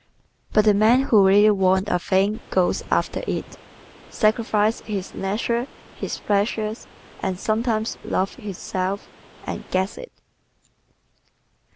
But the man who really WANTS a thing GOES AFTER it, sacrifices his leisure, his pleasures and sometimes love itself and GETS it.